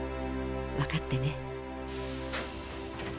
わかってね」。